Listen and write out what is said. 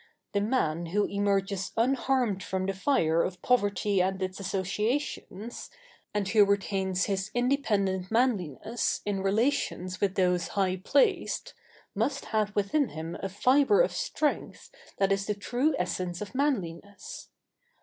The man who emerges unharmed from the fire of poverty and its associations, and who retains his independent manliness in relations with those high placed, must have within him a fibre of strength that is the true essence of manliness.